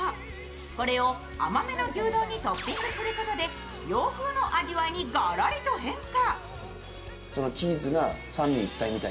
これを甘めの牛丼にトッピングすることで洋風の味わいにがらりと変化。